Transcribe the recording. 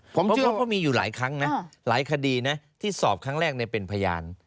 เพราะมันก็มีอยู่หลายครั้งหลายคดีที่สอบครั้งแรกในเป็นพยาน